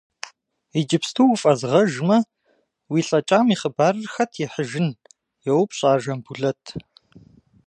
Иджыпсту уфӏэзгъэжмэ, уи лӏэкӏам и хъыбарыр хэт ихьыжын? – йоупщӏ ар Жамбулэт.